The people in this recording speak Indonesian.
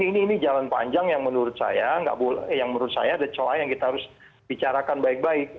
ini jalan panjang yang menurut saya yang menurut saya ada celah yang kita harus bicarakan baik baik